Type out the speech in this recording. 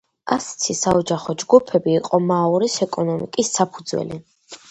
ასეთი საოჯახო ჯგუფები იყო მაორის ეკონომიკის საფუძველი.